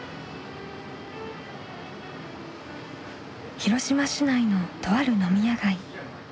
広島市内のとある飲み屋街。